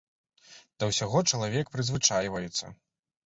Да ўсяго чалавек прызвычайваецца.